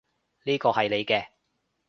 呢個係你嘅